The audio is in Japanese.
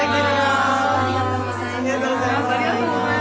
ありがとうございます！